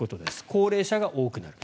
高齢者が多くなる。